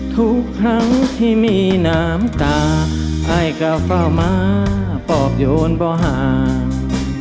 ทุกครั้งที่มีน้ำตาอายก็เฝ้ามาปอบโยนบ่อห่าง